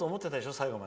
最後まで。